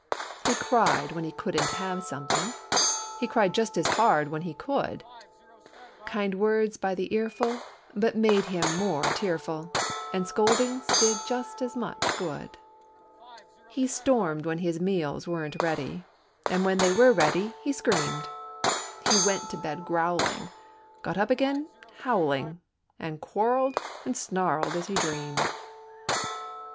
He cried when he couldn't have something; He cried just as hard when he could; Kind words by the earful but made him more tearful, And scoldings did just as much good. He stormed when his meals weren't ready, And when they were ready, he screamed. He went to bed growling, got up again howling And quarreled and snarled as he dreamed.